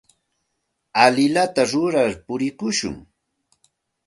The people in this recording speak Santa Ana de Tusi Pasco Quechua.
Allinllata rurar purikushun.